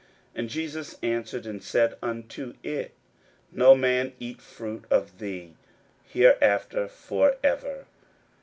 41:011:014 And Jesus answered and said unto it, No man eat fruit of thee hereafter for ever.